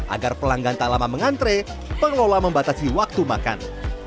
agar pelanggan tak lama mengantre pengelola membatasi waktu makan